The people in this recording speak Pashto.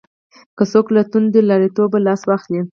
که څوک له توندلاریتوبه لاس واخلي.